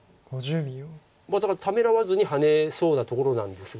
だからためらわずにハネそうなところなんですが。